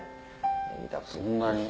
そんなに！